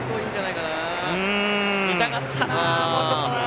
見たかったな、もうちょっと。